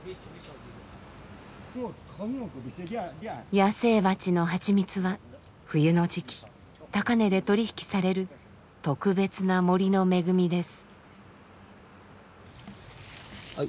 野生蜂の蜂蜜は冬の時期高値で取り引きされる特別な森の恵みです。